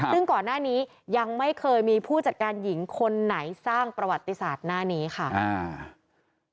ซึ่งก่อนหน้านี้ยังไม่เคยมีผู้จัดการหญิงคนไหนสร้างประวัติศาสตร์หน้านี้ค่ะอ่า